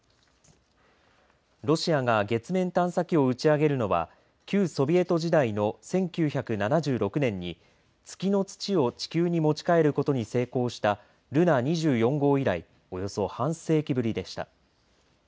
ロシアが月面探査機を打ち上げるのは旧ソビエト時代の１９７６年に月の土を地球に持ち帰ることに成功したルナ２４号以来およそ半世紀ぶりでした。